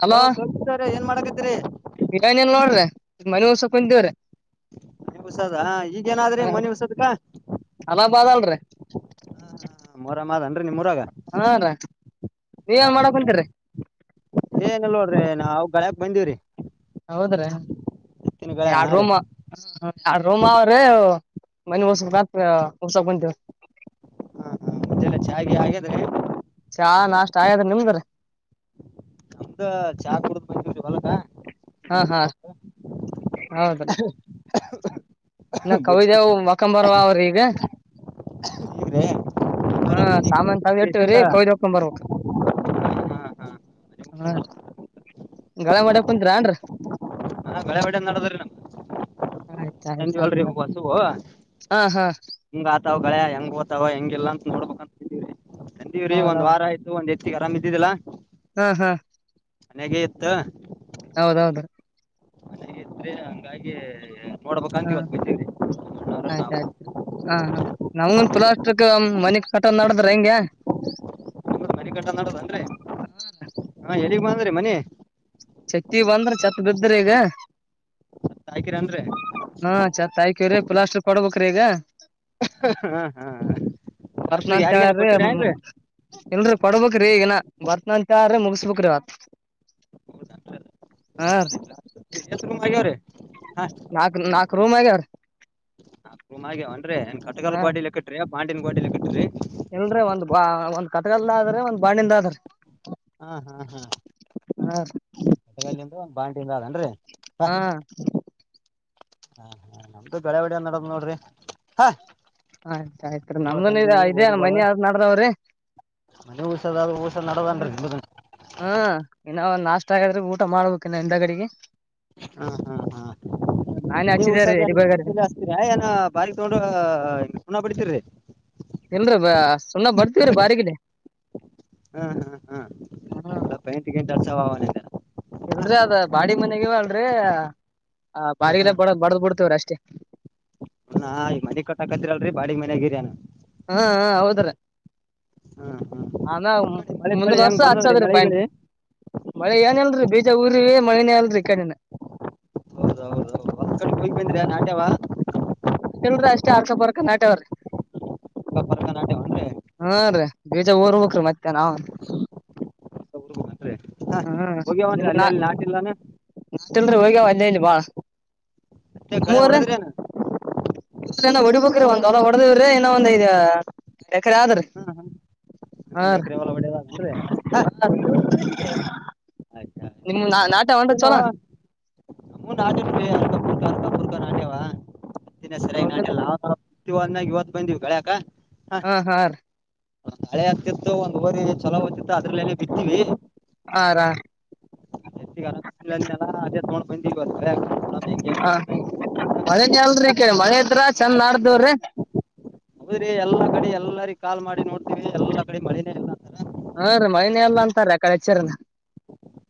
Hello hello ಸೋಮ್ರ ಏನ್ ಮಾಡಕಿದರಿ ಮನೆಸ ಕುೇವ್ರ ಮನೆ ಉಸದ ಈಗೇನಾದ್ರಿ ಮನೆಿ ಉಸದ್ಕ್ಕ ಬಲ್ೀ ಮೊರಮ ಅದನ್್ರರಿ ನಿಮ್ಮರಾಗ ನೀವ ಏನ್ ಮಾಡಕ್ ಆಯ್ತು ಆಯ್ತು ಕುಂತೀರಿ ಏನಲ್ಲ ನಾವವು ಗಳಕ್ ಬಂದಿವವ್ರೀ ಹೌದ್ರಾ ಹಾ ಯಾರೋ ರೀ ಯ ರೋಮ ಅವ್ರೇ ಮನೆಸ ಉಸ ಬಂತೇ ಮ ಚೆ ಹಾಗೆ ಹಾಗಾದ್ರೆ ಹಾ ನಾಷ್ಟ ಆಯತ್ ನಿಮ್ದ್ರ ನಮ್ದ ಚಾ ಕುಡದ್ ಬ ಹೊಲಕ್ಕ ಹಾ ಹಾ ಹೌದು ಇ ಬುಜ್ಜಿ ಕವಿದೇವ್ ಮಕಂಬರ್ ಅವ್ರಿ ಈಗ ಹಗ್ರೆ ಹ ಸಾಮಂತತ್ ನಾವ್ ಎಟ್ಟು ರ ಕೌದಿ ಹಕೊಂಡ ಬರ್ಬೇಕಕ್ ಹಾ ಹಾ ಹಾ ಮನಿ ಹಾ ಮುಗ್ಸ್ಯಂದ ಗಳ ಮಾಡ್ಯಕ್ ಕುಂತರ ಅನ್ರಿ ಹಾ ಬೆಳೆ ಬಟ ನಡದ್ರೀ ನಮ್ದಗೆ ಆಯ್ತ್ ಸಂಜ ಆಯ್ತ್ ಅಲ್ಿ ಬಸ ಹಾ ಹಾ ಹಂಗ ಆತಾವ ಗಳ ಹೆಂಗ್ ಓತಾವ ಹೆಂಗಿಲ್ಲಂತ ಹಡ್ಕಕ ಪರೆ ತಂದೀವ್ರೀ ಒಂದ ಹೌದೌದ್ ವಾರ ಆಯ್ತು ಒಂದ್ ಎ-. ಆರಾಮ್ ಇದ್ದಿದ್ದಲ್ಲಾ. ಹಾ ಹಾ. ಮನಗೆ ಇತ್ತ. ಹೌದೌದು. ದ್ರೆ ಹಾಗಂಗಾಗಿ. ನೋಡಬೇಕ ಹಾ ಅಂತೀವತ್ತು ಬಿತೀವಿ ನಾ. ಆಯ್ತ್ ಆಯ್ತ್ರಿ ಹಾ ನಮಂದ ತುಲಾ ಅಷ್ಟ್ರಕ್ಕ ಮನಕ್ ಕಟ ನದ್ರ ಹೆಂಗಗೆ. ಮರನಿಗಟ್ಟ ನಡದನ್ರಿ ಹ ಎಲ್ಲಿಗ್. [unintelligible] ಮನೆ ಚತಿ ಬಂದ್ರ ಛತ್ ಬಿದ್ದ್ರಿ ಈಗ. ಕಾಯಕಿರಿ ಅಂದ್ರೆ. ಹಾ ಚ ತಾಯ ಕ್ರ. ಪ್ಲಾಸ್ಟರ್ ಕೊಡ್ಬೇಕ್ರೀ ಈಗ. ಹಾ ಹಾ ಲಾಸ್ಟಿಗ್ ಬರ್ತ್ನಂತ ಯಾರಿಗನ ಹೇಳ್ರಿ ಕೊಟ್ಟಿರ ಏನ್ರಿ ಇಲ್ರರಿ ಪಡ್ಬೇಕ. ಈಗನ ಬರ್ತನಾನ್ಟ ಮುಗಿಸಬೇಕುಕ್್ರೀತ್ ಹ. ರೆ. ನಾಲ್ಕು ನಾಲ್. ಕೋಮಗಾರ. ಹ್ ಅನ್್ರ ಏನ್ ಕಟಕಾಲ್ ಪಾಡಿಲಿಲೆಕ್ಕಟ್ರ. ಪಾಂಡಿನ ಗೋಡಲಿ ಬಿಟ್ಟ್ರಿ. ಕತಗಲ್ದ ಆದ್ರೆ ಒಂದ ಬಾಣಿಂದ ಆದ್ರೆ. ಹ್ಮ ಹಾ ಹಾ. ಹಾ. ಬೆಟಗಲ್ಲಿಿಂದ ಬಾಂಟಿಯಿಂದ ಅದೇನ್ರರಿ. ಹಾ. ಹಾ ಹಾ ನಮ್ದು ಬೆಳಾವಡಿಯ ನಡ್ದ್ ನೋಡ್ರಿ ಹಾ. ಆಯ್ತ ಆಯ್ತ್ ರೀ ನಮ್ದನ್ ತಂದೀವಿ ಇದೇ ಗೋರಿಗಳು ಮನ್ಿ ಯಾರ ನ್ದಾವ್ರೀ. ಮನಿ ಉಸದ ಉಸ ನಡದನ್ರಿ ಹ್ಮ್ ನಿಮ್ದ ಇನ್ನ ಒಂದ್ ನಾಷ್ಟ ಆಗಾದ್ರೆ ಊಟ ಮಾಡ್ಬೇಕ ಇನ್ನ ಹಿಂದ ಗಡಿಗೆ. ಹಾ ಹಾ ಹಾ. ನೀ ಹಚ್ಚಿದೇರಿ ಉಸಾದ ಎಲಿಬ್ಯಾಗರಿ ಹತತಿರ ಏನ ಬಾರಿ ತಗೊಂಡ ಪುಣ ಬಿಡ್ತಿರಿರಿ. ಇಲ್ರಿೀ ಬಾ ಸುಮಮ್ಮ ಬರ್ತೀವ್ರಿ ಬಾರಿಗಡ. ಹಾ ಹಾ ಹಾ ಸ್ವಲ್ಪ ಎಂಟಿಗೆಂಟ ಅರ್ಸ ಅವ ಅವಲ್ಲ. ಎಲ್ರಿ ಅದ ಬಾಡಿ ಮನೆಗವ ಅಲ್ರರಿ ಆ ಹಾ ಹಾ ಬಾರಿಿಗೆಲ್ಲ ಬಡ ಬಡ್ದ್ ಬಿಡ್ತೇವ್ರ ಅಷ್ಟೇ. ಹಾ ಈ ಮನೆಗ್ ಕೊಟ್ಟ ಹಾಕತ್ತಿರಲ್ರಿ ಬಾಗ್ ಮನೆಯಾಗಗಿಯಾನನು. ಹಾ ಹಾ ಹೌದ್ರ. ಹಾ ಹಾ ನಾ ಈ ಕಡೆ ಮಳೆ ಮುಂದ್ ಪಳಿ ವರ್ಷ ಹೆಂಗ್ ಬಂದದ್ರಿ ಹಚ್ಚದ್ರೀ ಪ್ಯಾಂಟ್. ಮಳಿಗಿಳಿ ಮಳೆ ಏನ ಅಲ್ರರಿ ಬೇಜ ಊರಿ ಮಳನೇ ಅಲ್ರರಿ ಕಣಿನ ಗ್ ಬಂದಿರಾ ನಾಟ್ಯ ಅಲ್ರ ಅಷ್ಟೇ ಆರ್ಸಪರ್ ಕನಾಟವ್ರೀ ಪರ್ಕ ನಾಟ್ಯವನ್ರಿ ಹಾ ರೀ ಬೀಜ ಹುರಬೇಕ್ರಿ ಮತ್ತೆ ನಾವು ಹೋಗ್ಯವನ್ ಅಲ್ಲೇ ಅಲ್ಲಿ ನಾಟಿಲ್ಲಾನ ಮತ್ತಲ್ರಿ ಹೋಗ್ಯಾವ ಅಂದೇನ್ ಬಾ ಮತ್ತೆ ಗಳೆ ಹೊಡದ್ರೇನ ಇ್ರನ ಹೊಡಿಬೇಕ್ರೀ ಅಮೋ ಒಂದ್ ಹೊಲ ಹೊಡೆದೇವ್ರಿ ಇನ್ನ ಒಂದಐದ ಎಕರೆ ಆದ್ರಿ ಹಾ ಹಾ ಹಾ ಒಂದ್ ರೀ ಎಕರೆ ಒಲ ಒಡೆಯೋದಾಗ ಅಂದ್ರೆ ನಿಮ್ ನಾ ನಾಟ್ಯಾವನ್ರಿ ನು ಚೊಲೋ ಹನ್ ಆ ಅ ದಿನ ಸರಿಯಾಗಿ ನಾಟಲ್ಲ ಇವ್ಗ್ ಇವತ್ತು ಬಂದೀವಿ ಕಳ್ಯಾಕ ಹಾ ಹಾ ರಿ ಹಳೆ ಆಗ್ತಿತ್ತು ಒಂದ್ವರಿ ಚಲೋ ಹೋ್ಿತ್ತು ಅದ್ರಲ್ಲನೆ ಬಿತ್ತೀವಿ ಆರಾ ನನ್ನೆಲ್ಲ ಅ ತ ಮಾಡೋ ಬಂದಿ ಹಾ ಹೌ ಮಳೇನ ಅಲ್ರಿೀ ಕ ಮಳೆತ್ರ್ರ ಚಂದ ನಾಟಡ್ತಿದ್ದೀರಿ ಹೌದ್ರಿ ಎಲ್ಲಾ ಕಡೆ ಎಲ್ಲಾರಿ ಕಾಲ್ ಮಾಡಿ ನೋಡ್ ಎಲ್ಲಾ ಕಡೆ ಮಳನೇ ಎಲ್ಲ ಅಂತಾರ ಮನ ಎಲ್ಲ ಅಂತಾರೆ ಅಡೆಚ್ಚರನ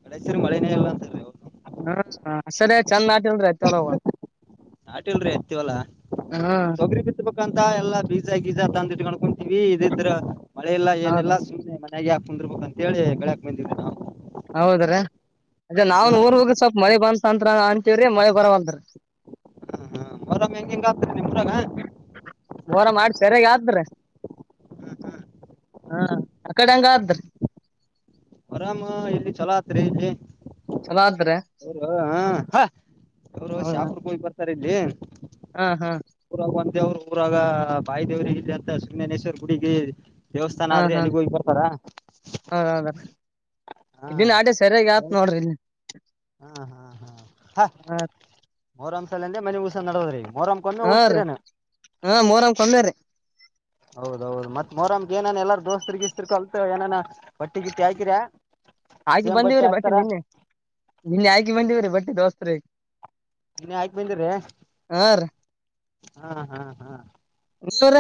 ಮಳೇಶ್ವರಿ ಮಳೆನೇ ಇಲ್ಲ ಅಂತ ಹದು ಹಾ ಅ ಸರಿ ಚಂದ ಆಟಲ್ರಿ ಆಐತ ಎಲ್ಲ ಹೋಗ ನಾಟ ಇಲ್ರರಿ ಅತ್ತವಲ್ಲಾ ಹ್ಮ್ ತಗ್ರಿ ಬಿ ಬ ಂತ ಎಲ್ಲಾ ಬೀಜ ಗೀಜ ತಂದಿಟ್ಕೊಂಡ್ಕೊಂತವಿ ಇದಿದ್ರ ಮಳೆಲ್ಲ ಹೌದು ಏನೆಲ್ಲ ಸ ನಗೆ ಯಾಕೆ ಕುಂದಿರ್ಬೇಕು ಅಂತ ಹೇಳಿ ಬೆಳ್ಯಾಕಕ್ ಬಂದಿದ್ವಿ ನಾವು ಹೌದ್ರೀ ಅದೇ ನಾವನ್ ಹ್ಮ್ ಊರ್ ಹೋಗಿ ಸ್ವಲ್ಪ ಮಳೆ ಬಂದಂತ್ರ ಅಂತೀವ್ರಿ ಮಳೆ ಬರಂತೀ ಮರಾಮ ಹೆಂಗ ಹೆಂಗ ಆಗ್ತರಿ ನಿ ಮೂರಾಮ ವೋರ ಮಾಡಿ ಸರಗ ಆದಾದ್ರ ಹಾ ಆ ಕಡೆ ಹಂಗ ಆದ್ರಿ ಆರಾಮ ಇಲ್ಲಿ ಚಲೋ ಆತ್ರಿ ಇಲ್ಲಿ ಚಲೋ ಆದ್ರಿ ಅವರು ಹ ಅವರು ಹೌದಾ ಶಾಪುರ್ ಹೋಗ್ ಬರ್ತಾರೆ ಹಾ ಹಾ [unintelligible] ದೇವ್ರು ಊರಾಗ ಬಾಯ ದೇವ್ರ ಇ ಅಂತ ಸುಮನೇಶ್ವರ್ ಗುಡಿಗೆ ದೇವಸ್ಥಾನ ಹಾ ಆದ್ರೆ ಹಾ ಅಲ್ಲಿಗೋೋಗ್ ಬರ್ತಾರ ಹಾ ಇನ್ ಆಡಿ ಸರಿಯಾಗಿ ಹಾ ಆತ್ ನೋಡ್ರಿ ಇಲ್ಲಿ ಹಾ ಮೂರಂಸಲಲ್ಲಂದ ಮನೆಗಊಸ ನಡೋದ್ರಿ ಹ ರ ಹಾ ಮರ ಕೊಂದ್ರ ಹೌದ ಮತ್ ಮೋರಮ್ಗ ಏನ ಎಾರಾರ್ ದೋಸ್ತರಿರಿಗೆ ಇಸ್ರ್ ಕಲ್ತ್ ಏನ ಒಟ್ಟಿಗಿಟ್ಟ ಹಾಕಿರ ಹಾಕಿ ಸೇಮ್ ಬಟ್ಟಿ ಬಂದಿವ್ರೀ ಬಟ್ಿ ಹಾಕ್ತಾರ ನಿನ್ನೆ ನಿನ್ನೆ ಆಾ್ಕಿ ಬಂದವ್ರೀ ಬಟ್ಟಿ ದೋಸ್ ರ ಇನ್ನ ಆಯ್ಕ್ ಬಂದಿ್ರ ಹ್ಮ್ ರೀ ಹಾ್ ಹ್ಮ್ ಷೋರ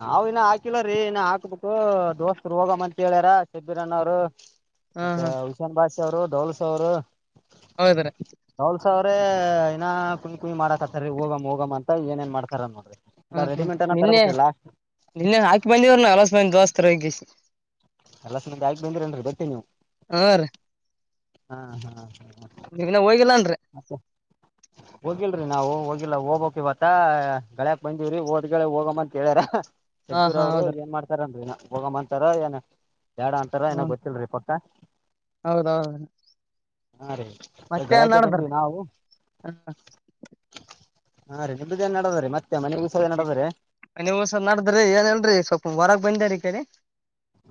ನಾವವು ಇನ್ನ ಹಾಕಿಲ್ಲ ರೀ ಇನ್ನ ಹಾಕ್ಬಿಟ್ಟು ದೋಸ್ತತ್ರು ಹೋಗ್ ಅಂತತ್ ಹೇಳ್ಯಾರ ಚಬ್ಬೀರನವ್ರು ಹಾ ಮತ್ತೆ ಹಾ ಉಶಾನ್ ಬಾಸ್ ಾವರು ಡೋಳ ಸ ಅವರು ಹೌದ್ರ ಅ್ರೆ ಇಏನಾ ಕ ಕುಣ್ ಕುಯಿ ಮಾಡಾಕತಾರಿ ಹೋಗ್ ಹೋಗಮ ಅ ಏ ಏನ್ ಮಾಡ್ತಾರ ನೋ್ರಿ ಹ್ಮ್ ಹ್ಮ್ ನಿನ್ನೆ ನಿನ್ನ ಹಾಕಿ ಬಂದೀವ್ರ ನ ಅಲಸ ಬಂದ ದೋಸ್ತರ ಹೋಗಗ ಎಲ್ಲ ಸ ಆಾಕ್ ಬಂದ್ರನ್ರಿ ಬಟ್ಟಿ ನೀವು ಹಾ ರೀ ಹಾ ಹಾ ಹ ನೀವಿನ್ನ ಹೋಗಿಲ್ಲನ್ರಿ ಮತ್ತೆ ಕಿ ನಾವು ಹೋಗಿಲ್ಲಾ ಹೋಗ್ಬೇಕಕ್ ಇವತ್ತ ಳ್ಯಾಕ್ ಬಂದಿವವ್ರಿ ಹಓದ್ಳ ಹೋಗಮ್ಮ ಅಂತ ಕ್ಯಾರ ಹಾ ಹೆ್ದೂರು ಹಾ ಅವ್ರು ಹೌದ್ರಿ ಏನ್ ಮಾಡ್ತಾರಂದ್ಿನ ಹೋಗಮ್ಮಂತಾರ ಏನ ಎರಡ್ ಅಂತರ ನಾಗ ಗೊತ್ತಿಲ್ರಿ ಕತ್ತು ಹೌದೌದು ಹಾ ರೀ ಗಳ್ಯಾಕೆ ಬಂದೀವಿ ನಾವು ಹಾಂೀ ನಿ ನ್ ನಡದ ರ ಮತ್ತೆ ಮನೆ ಉಸದ ನಡದ್ರಿ ನೀವುಸ ನಾದ್ರಿ ಏನ್ ಹೇಳ್ರಿ ಸ್ವ ಹೊರಾಗ ಬಂದ ರ ಈ ಕಡೆ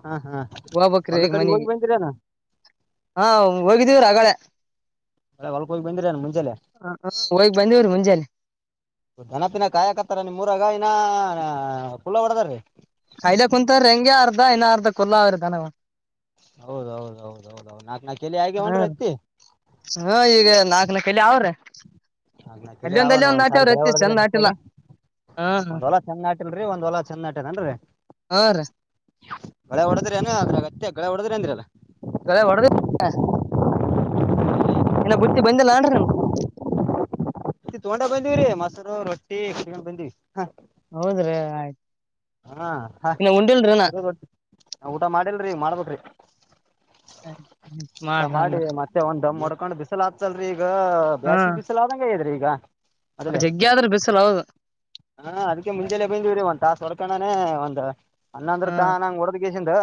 ಹಾ ಹಾ ಹಬಕ್ರೀ ಹೊಲ್ದ ಈೇಗ ಕಡೆ ಹೋಗಿ ಮನೆಗೆ ಬಂದಿರೇನ ಹಾ ಹೋಗಿದೀವ್ರ ಹಗಳ ಹೊಲ್ಕ್ ಹೋಗಿ ಬಂದಿರೇನ ಮುಂಜಾಲೆ ಹೋಗಗ್ ಬಂದವ್ರೀ ಮುಂಜಾಲೆ ದೆನಪಿನ ಕಾಯಾಕತ್ತಾರ ನಿಮ್ ಮೂರಗ ಇನ್ನ ಪುಲ್ಲ ಹೊಡದ್ರೀ ಕಾಯಲೆ ಕುಂತಾರ ಹೆಂಗೆ ಅರ್ಧ ಇನ್ನ ಅರ್ಧ ಕುಲಾದವರನ ಹೌದು ಹೌದು ಹೌದು ಹೌದು ನಾಲ್ಕ ಅದಾವರಿ ಅದಾವ ಈಗ ನಾಲ್ಕ ನಾ ಕರಿಲಾ ಅವರನಾ ನಾಲ್ಕ ನಾಲ್ಕ ಅವನು ಒಂದ್ಸಾರಿ ಗಳೆ ಹೊಡದ್ರಿ ಚಂದ್ ನಾಟಿಲ್ಲ ಒಮ್ಮೆರ ಹಾ ಒಂದು ಹೊಲ ಚೆನ ಹಾಕ್ಲಿರಿ ಒಂದು ಹೊಲ ಚಂದ ಹಾಕೇನಿನ್ರೀ ಹಾ ರೀ ಗಳೆ ಹೊಡದಿರಿ ಏನ ಅದರ ಅತ್ಯನಕ ಗಳೇ ಹೊಡೆದಿರೆನರಿ ಅದನ್ನ ಗಳೇ ಹೊಡದ ಲಾ ಇನ್ನ ಬುತ್ತಿ ಬಂದಿಲ್ಲಳರಿ ಮತ್ತ ದೊಡ ಬಂದಿದೆ ಬಂದಿರಿ ಮೊಸರು ರೊಟ್ಟಿ ಕಟ್ಕೊಂಡು ಬಂದಿವಿ ಹಾ ಹೌದ್ರಿ ಆಯ್ತ ಹಾ ಹ ಕಟಕ್ ರೊಟ್ಟಿ ನಾ ಊಟ ಮಾಡಿಲ್ರರಿ ಮಾಡ್ಬೇಕರಿ ಊಟ ಮಾಡ್ರಿ ಮಾಡಿ ಅಂದ್ರ ಮತ್ತೆ ಒಂದು ದಮ್ ಒಡ್ಕೊಂಡು ಬಿಸಲಾತ ಇತ್ತಲ್ರೀ ಈಗ ಬ್ಯಾಸಿಗಿ ಬಿಸಲಾದಂಗ ಆಗೇದ್ರಿ ಗಾ ಜಗ ಆದರೇ ಬಿಸಿಲು ಹೌದು ಹಾ ಅದಕ್ಕೆ ಮುಂಜೆಲೆ ಬಂದ್ವಿರಿ ಒಂದು ತಾಸ ವ ಹರ್ಕೊಂಡ್ ಹೋಗ್ಲಾ ಒಂದು ಅಲ್ಲಂದರ ಹಾ ತಾ ನಂಗ ಹೊಡದಗೇಶಿಂದ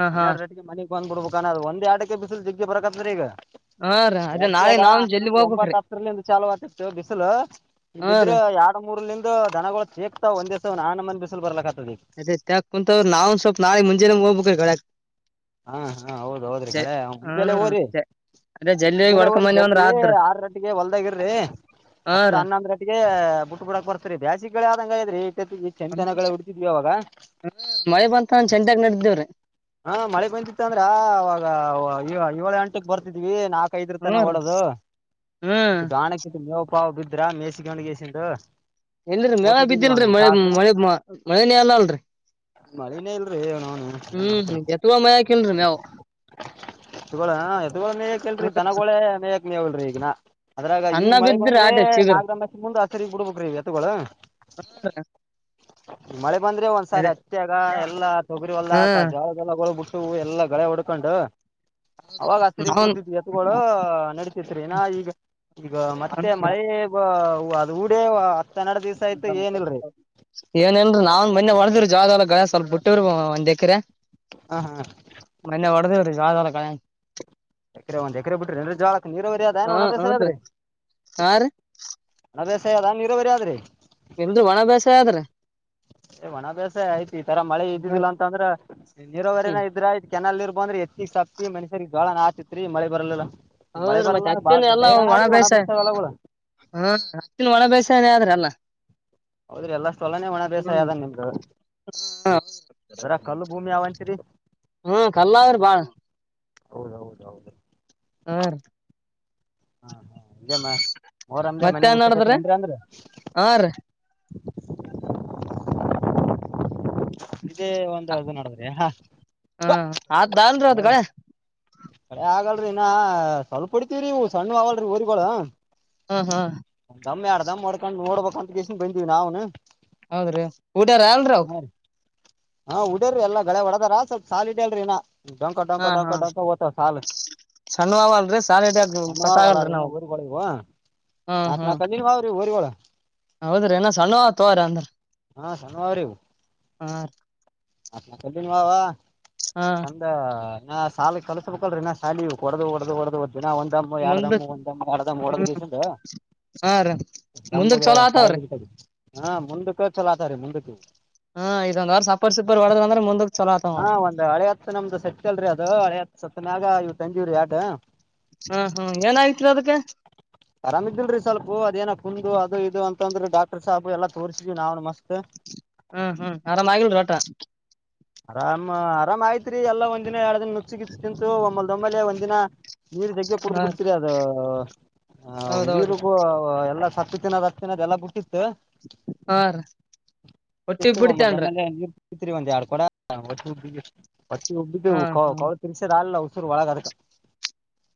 ಹಾ ಹಾ ಹನ್ನೆರಡು ಗಂಟೆ ಮನಿ ಬಂದ ಬಿಡಬೇಕು ಅಣ್ಣ ಅದ ಒಂದು ಆಟಕ ಬಿಸಿಲು ಜಿಗ್ಗ ಬರಾಕತ್ತೈತಿ ಈಗ ಹಾ ರೀ ಅದೇ ನಾಳೆ ಬ್ಯಾಸಗ್ಯಾಗ ನಾವ್ ಜಲ್ದಿ ಹನ್ನೊಂದು ಒಂಬತ್ತ ಹೋಗ್ಬೇಕ್ರಿ ಹತ್ತರ ನಿಂದ ಚಲೋ ಆಕೆತೋ ಬಿಸಿಲು ಹಿಂಗ ಹಾ ಬಿದರ ರೀ ಯಾರ ದೂ ದನಗಳು ತೇಕ್ತಾವ ಒಂದೇ ಸವನ ಆ ನಮನಿ ಬಿಸಿಲು ಬರಲಾಕತೆತ ಅದೇ ತೆಳಗ ಕುಂತವರ ನಾವು ಸ್ವಲ್ಪ್ ನಾಳೆ ಮುಂಜಾನೆ ಹೋಗಬೇಕು ಗಾಳಗ ಹಾ ಹಾ ಹೌದ ಹೌದ್ರಿ ಗಳೆ ಮುಂಜೆಲ್ಲೆ ಹ್ಮ್ ಹೋಗರಿ ಜ ಅದೇ ಜಲ್ದಿ ಹೋಗಿ ಮುಂಜೆಲ್ಲ ಹೊಡ್ಕೊಂಡ್ ಹೋಗರಿ ಬಂದೇವಂದ್ರ ಜಲದಿ ಆದ್ರ ಆರ ಗಂಟೆಗೆ ಹೊಲದಾಗ ಇರಿ ಹಾ ಹತ್ತ ರೀ ಹನ್ನೊಂದ ಗಂಟೆಗೆ ಬುಟ್ಟ ಬುಡಾಕ್ ಬರ್ತರಿ ಬ್ಯಾಸಿಗೆಳೆ ಆದಂಗ ಆಗಿದ್ರೆ [inaudible] ಹ ಮಳೆ ಬಂತಂದ್ರ ಚೆಂಡಾಗ ನಡ ಇದವರಿ ಹಾ ಮಳೆ ಬಂತಿತ್ತು ಅಂದ್ರ ಅವವಾಗ ಏಳು ಎಂಟಕ್ಕ ಬರ್ತಿದ್ವಿ ನಾಲ್ಕ ಹ್ಮ ಐದರ್ತಾನ ರೀ ಹೊಡೆದು ಹ್ಮ್ ಇತ್ತು ಗಾಣಕ ಇ ಮೇವ ಅಪ್ಪಾವು ಹೋಗಿದ್ರ ಮೇಸ ಗಾನಾಗೆಸಿಂದ್ ಇಲ್ಲಿ ನೆರಳು ಬಿದ್ದಿಲ್ರಿ ಮಳೆ ಮಳೆ ಮಳೆನೇ ಅಲ್ಲ ಅಲ್ರರಿ ಮಳೆನೇ ಇಲ್ರರಿ ಅಣ್ಣ [inaudible] ಹು ಹಳೆದ ಮಾಡ ಹ್ಮ ಎಥುವ ಮಯಾಕಲ್ರಿೀ ನೀವು ಇಗ ಅ ಮೇಯಕ್ಲ್ರಿ ದನಗಳೇ ಮೇಯಕ್ ಮೇಲ್ರಿ ಈಗನ ಅದ್ರಾಗ ಈಗ ಸಣ್ಣ ಮಳೆ ಬಿದ್ರಿ ಬಂದ್ರೆ ಆಟೆ ಚಿಗರ್ ನಾಲ್ಕಮಷ ಮುಂದ ಹತ್ತರಿ ಬಿಡ್ಬೇಕಕ್್ರೀತ ಮಳೆ ಬಂದ್ರೆ ಒಂದ್ಸಾರಿ ಅದೇ ಅತ್ತೆ ಆಗ ಎಲ್ಲಾ ತೊಗರಿ ಒಲ್ಲ ಹ್ಮ್ ಬಿಟ್ಟು ಎಲ್ಲ ಗಳೆ ಹೊಡ್ಕೊಂಡ್ ಅವಾಗ ಹಸಗ್ ನಾವನ್ ಬಿಡ್ತ ಎತ್ಗಳು ನಡತಿತ್ರಿ ನ ಈಗ ಈಗ ಮತ್ತೆ ಮಳೆ ಅದೂ ಏನೇನ್ೀ ನಾವನ್ ಮನ್ನ ಮಾಡ್ದ ್ರ ಜಾವ ಸ್ವಲ್ಪ ಬಿಟ್ಟರು ಒಂದ ಎಕ್ರೆ ಹ ಹಾ ಮನ್ನ ಒಡದ ಹೊ ರೀ ಯ [unintelligible] ಕ ಎಕರೆ ಒಂದ್ ಎಕರೆ ಬಿಟ್ರಿ ಅ ಜಾಳ ನೀರೋಗರಿ ಅದ ಹ ಏನ್ ಒಣ ಬೇಸ ಹನ್ರಿ ಅದ್ರಿ ಹಾ ರೀ ಒ ಬ ಅದ ನೀರ ಬರಿ ಆದ್ರಿ ನಿಮ್ದು ಬಾಳಭ್ಯಸ ಆದ್ರೆ ಮಣ ಬೆಸ ಆಯ ಈ ತರ ಮಳೆ ಇದ್ದಿದಿಲ್ಲ ಅಂತಂದ್ರೆ ಹ್ಮ್ ನೀರಾವರಿನ ಇದ್ರ ಆಯ್ತು ಕೆನಲ್ ಇರ್ಬಂದ್ರೆ ಹೆಚ್ಚಿಗೆ ಸಕ್ತಿ ಮನುಷಗ್ ಜೋಳನ್ ಆಾತಿತ್ೀ ಮಳೆ ಬರಲಿಲ್ಲಾ ಹೌದ್ರೀ ಮತ್ತೆ ಹತ್ತಿನ ಎಲ್ಲ ಒಳ ಒಣ ಬೇಸ ಬೇಸಾಯ ಹೊಲಗಳ ಹ ಅತ್ತಿನ ಒಳ ಬೇಸನ ಆದ್ರ ಅಲ್ಲ ಹೌದ್ರಿ ಎಲ್ಲಷ್ಟು ಒಲನೆ ಒಣ ಬೇಸ ಯದ ನಿಮ್ದು ಅದ್ರಾಗ ಕಲ್ಲು ಭೂಮಿ ಅವಂತಿರಿ ಹ್ಮ ಕಲ್ಲಾವ್ರ ಬಾ ಹ ಹೌದೌದೌದು ಆ ಹಾ ಹಾ ಈ ಅವರಮ್ದ ಮತ್ತೇನ್ ಮನೆಗಊಸಕಚ್ಚರಿ ನಡದ್ರಿ ಅಂದ್ರ ಅಂದ್ರ ಹಾ ರೀ ಇದೇ ಒಂದ್ ಅರ್ಧ ನೋಡದ್ರಿ ದಾಂದ್ರ ಅದ ಕಡೆ ಕಡೆ ಆಗಲ್ರರಿ ಇನ್ನ ಸ್ವಲ್ಪ ಹೊಡ್ತಿೀವ್ರರಿ ಸಣ್ಣ ಆಗಲ್ರರಿ ಊರಿಗಗಳು ಹಾ ಹಾ ದಮ್ಮ್್ಯಾಡ್ ದಮ್ ಮಾಡ್ಕೊಂಡು ನೋಡಬೇಕ ಅಂತ ಗ ಎಷ್ಟ ಬಂದೀವಿ ನಾ್ನು ಹೌದ್ರಿ ಊಟಾರ ಅಲ್ರೀ ಅವ ಹಾ ಉಡ್ಯ್ರರಿ ಎಲ್ಲಾ ಗಗಳೆ ಹೊಡದಾರ ಸ್ವಲ್ಪ ಸಾಲ ಇಡ್ ಅಲ್ರರಿ ಇನಾ ಡಂಕ ಡಂ ಡಕ ಡಂಕ ಒತ್ತ ಸ್ಣ ಆಲ್ರಿ ಸಾಲಿಡಗ ಸಣ್ಣವ ಅವಲ್ಲ ಪತ್ತಾಗಲ್ರಿ ಇನ್ನ ನಾವು ಊರಿಗಳು ಹ್ಮ್ ಹ್ಮ್ ರಿಗಳ ಹೌದ್ರಿ ಏನ ಸಣ್ಣ ತೋರಿ ಅಂದ್ರ ಹಾ ಸಣ್ಣವ ಅವ್ರಿ ಇವು ಹಾ ವ ವ ಹಾ ಒಂದ ಹಾ ಸಾಲ ಕ ಲ್ರಿ ನಾ ಶಾಲಿ ಕೊಡ ಒಡ ಒಡದ ದಿನ ಒಂದಮ್ಮು ಎರಡ ದಮ್ಮು ಮುಂದಕ್ ಒಂದ್ಮ್ಮ ಎರಡ ದಮ್ಮು ಡದ ಹ್ಮ್ ಗೀಸಂದು ಹಾ ರೀ ಮುಂದಕ್ ದಮ್ಮಗೆ ಚಲೋ ಆತವ್ರಿ ಕಾಯಿ ಹಾ ಮುಂದಕ್ಕೆ ಚಲೋ ಆಗತಾವರಿ ಮುಂದಕ್ಕೆ ಹ್ಮ ಇದೊಂದ್ ವರ್ಷ ಸಪ್ಪರ್ ಸಪ್ಪರ್ ಹೊಡದ ಅಂದ್ರೆ ಮುಂದಕ್ ಚಲೋ ಆತ ಹಾ ನೋಡ್ರಿ ಒಂದ್ ಸತ್ ನಾಗ ಇವ ತಂಜೂರಿ ಆಟ ಹ್ಮ್ ಹ್ಮ್ ಏನಾಗಿತ್ರಿ ಅದಕ್ಕೆ ಆರಾಮ ಇದಿಲ್ರಿ ಸ್ವಲ್ಪ ಅದೇನ ಕುಂದು ಅದು ಇ ಇದು ಅಂತಂದ್ರೆ ಡಾಕ್ಟರ್ ಸಾಪು ಎಲ್ಲ ತೋರಿಸಿದ್ವಿ ನಾವವುನು ಮಸ್ತ್ ಹ್ಮ್ ಹ್ಮ್ ಆರಾಮ್ ಆಗಲ ವಟ ಆರಾಮ್ ಆರಾಮ ಆಯತ್ರಿ ಎಲ್ಲಾ ಒಂದದಿನ ಎರಡ್ ದಿನ ನುಚ್ ಕಿಚ್ಚ ತಿಂತು ಒಮ್ಮಲ್ ಒಂಬಲೆ ಒಂದದಿನ ನೀರು ತಗ್ಗೆ ಕುಡ್ದ ಹಾ ಬಿಡ್ತೀರಿ ಅದು ಹೌದೌದು ನೀರಿಗೂ ಎಲ್ಲಾ ಸ ಜಾಪುಟ್ಟಿ [unintelligible] ಹಾ ರೀ ಒಟ್ಟು ಇ ಬಿಡ್ತೇನ್ರ ಇರಿ ಒಂದು ಯಡ ಕೋಡಾ ಹಾ ಬಿ ಪಟ್ಟಿ ಹಾ ಹಾ ಹಬ್ಬಿದ್ದುಳ ತಿನ್ಸರ್ ಅಲ್ಲ ನ ಸ ಅಳಾಗ ಅಕ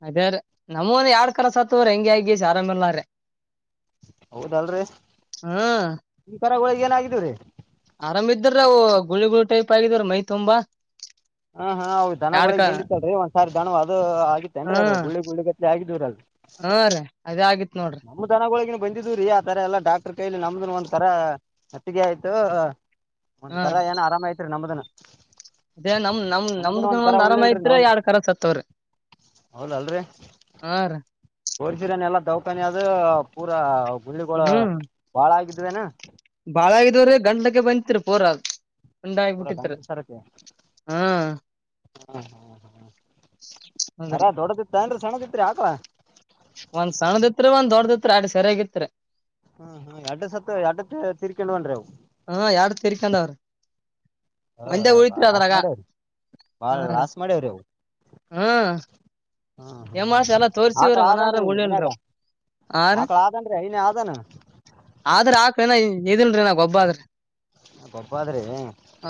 ಅದೇರ ನಮ ಯರಡ್ ಕರಾ ಸತ್ತೂರಿ ಹೆಂಗಗೆ ಆಗ ಆರಾಮಲ್ಲಾರ ಹೌದಲ್ರಿ ಹ್ಮ್ ನಿ ಕರ ಏನಾಗಿದರಿ ಆರಾಮ್ ಇದ್ದ್ರ ಅವು ಗುಳಿ ಗುಳಿ ಟೈಪ್ ಆಗಿದ್ರ ಮೈ ತುಂಬಾ ಹಾ ಹಾ ಅವ ಯಾಡ್ಕ ದನಗಳಗ್ ಬಂದಿತ್ತಲ್ರಿ ಒಂದ್ಸಾರಿ ದನ ಅದು ಆಗಿತ್ತೇನ್ರರಿ ಹಾ ಅದ ಗುಳ್ಳಿಗ್ ಗುಳ್ಳಿಗತ್ ಆಗಿದವರ ಅಲ್ ಹಾ ರೀ ಅದೇ ಆಗಿತ್ ನೋಡ್ರಿ ನಮ್ಮ ದನಗಳೊಳಗೆ ಬಂದಿದುರೀ ಆ ತರ ಎಲ್ಲಾ ಡಾಕ್ಟರ್ ಕೈಲಿ ನಮ್ದನ್ ಒಂದ ತರ ಹೊತ್ತಿಗೆ ಆಯ್ತು ಒಂದ್ ಹಾ ಕರ ರೀ ಏನ ಆರಾಮ ಐತ್ರಿ ನಮ್ದನ ಅದೇ ನಮ್ ನಮ್ ನಮ್ದನ ಒಂದ್ ಕರ ನಮ್ದಕೊಂದ್ ಆರಾಮ ಉಳ್ಳಿಲ್ರಿ ಐತಿ್ರ ನಾವು ಎರಡ ಕರ ಸತ್ತವ್ರಿ ಹಾ ರ ತೋರಿಸಿರನ್ ಎಲ್ಲಾ ದವಾಖನಿದು ಪೂರಾ ಗುಳ್ಳಿಗೋಳ ಹ್ಮ್ ಬಾಳ ಆಗಿದ್ದದೆವ ಎನಾ ಗಂಟೆಗೆ ಬಂದತ್ರುಬೋರ ಹ ಹ ಹಾ ಹ್ಮ ಹೌದ್ರಿ ಕರಾ ದೊಡ್ಡದಿತ್ತ ಅನ್ ಸೆಣ್ಣದಿ ಆಕಳ ಒಂದ್ ಸಣ್ಣದಿತ್ರಿ ಒಂದ್ ದೊಡ್ಡದಿತ್ ಅಡ್ ಸರಿಯಾಗಿತ್ರಿ ಹ್ಮ್ ಹ್ಮ್ ಅಡ್ ಸ ಅಡ್ಡ ತೀರ್ಕೊಂಡ್ವನ್ ರಿ ಅವು ಹಾ ಯಾರು ತಿಡಿಕಂಡ್ ಅವ್ರ ಹ ಬಾ ಲಾಸ್ ಮಾಡ್ಯ ರೀ ಬಾ ಹಾ ರೀ ಲಾಸ್ ಮಾಡೆವರಿ ಅವು ಹ್ಮ್ ಹ್ಮ್ ಹೆಮಸ ಎಲ್ಲ ತೋರ್ಸಿವ್ರ ಆಕಳ ಮನಾರ ಆದನ್ರಿ ಈಗ ಮನ್ಯಾಗ ಉಳ್ಳಲ್ರಾವ ಆರ ಆಕಳ ಆದನ್ರಿ ಐನೇ ಆದನ್ ಆದ್ರ ಆ ಕಿನ ಇದಿಲ್ರೀ ನಾ ಒಬ್ಬ ಆದ್ರಿ ಕೊಪಾದ್ರಿ ಹ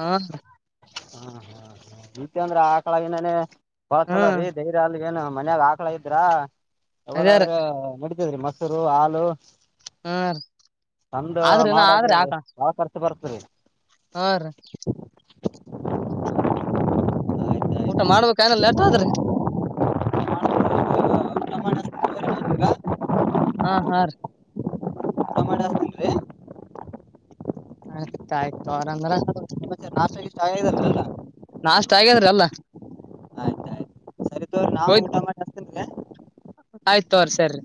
ಹ್ಮ ಹ್ಮ ನಿತ ಅಂದ್ರೆ ಆಕಳ ಗಿನನೆ ಬಾಲ್ ಚಲ ಹ್ಮ್ ರೀ [unintelligible] ಅಲ್ಗೆನ ಮನ್ಯಾಗ ಆಕ್ಲ ಇದ್ರ ಅದೇ ರೀ ಯಾವದಾದ್ರೆ ನಡ [unintelligible] ಮೊಸರು ಹಾಲು ಆ ತಂದು ಮಾಡದ ಭಾಳ ಖರ್ಚ ಬರ್ತರಿ. ಹಾ ರೀ ಊಟ ಮಾಡ್ಬೇಕಾ ಇನ್ ಲೇಟ್ ಆದ್ರೀ? ಹಾ ಹಾ ರಿ ಊಟ ಮಾಡಿ ಹಚ್ತೀನ್ರಿ ಆಯ್ತ ಆಯ್ತು ಅವರಂದ್ರ ಊಟ ಮಾಡಿ ಹಚ್ತೀನ್ರಿ [unintelligible] ನಾಷ್ಟ ಆಗ್ಯಾದ್ರಿ ಎಲ್ಲ. ನಾ ಊಟ ಮಾಡ [unintelligible] ಆಯ್ತ ತೋರಿ ಸರಿ.